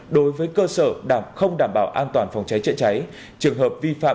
đối với cơ sở đảm không đảm bảo an toàn phòng cháy chữa cháy trường hợp vi phạm